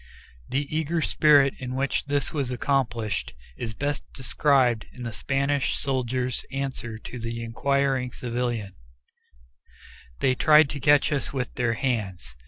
The eager spirit in which this was accomplished is best described in the Spanish soldier's answer to the inquiring civilian, "They tried to catch us with their hands."